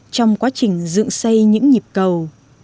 trong quá trình dựng xây những nhịp cầu